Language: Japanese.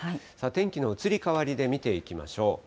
天気の移り変わりで見ていきましょう。